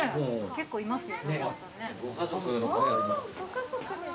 結構いますよ。